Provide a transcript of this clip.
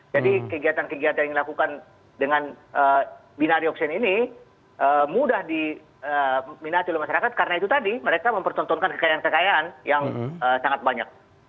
jadi kegiatan kegiatan yang dilakukan dengan binari option ini mudah diminati oleh masyarakat karena itu tadi mereka mempertontonkan kekayaan kekayaan yang sangat banyak